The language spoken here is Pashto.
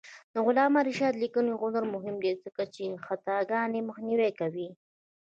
د علامه رشاد لیکنی هنر مهم دی ځکه چې خطاګانې مخنیوی کوي.